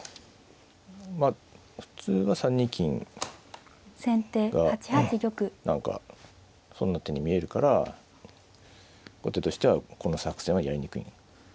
まあ普通は３二金が何か損な手に見えるから後手としてはこの作戦はやりにくいね。